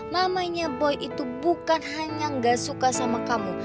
namanya boy itu bukan hanya gak suka sama kamu